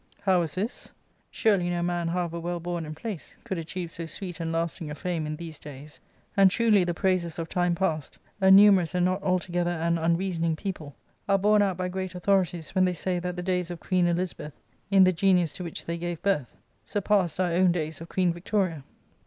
How was this % Surely no man, however well bom and placed, could achieve so sweet and lasting a fame in these days; and tmly the praisers of time past, a numerous and^ not altogether an unreasoning people, are borne out by! great authorities when they say that the days of Queen ' Elizabeth, in the genius to which they gave birth, sur ' passed our own days of Queen Victoria.